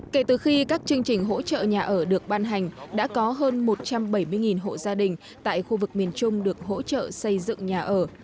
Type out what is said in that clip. kể từ khi các chương trình hỗ trợ nhà ở được ban hành đã có hơn một trăm bảy mươi hộ gia đình tại khu vực miền trung được hỗ trợ xây dựng nhà ở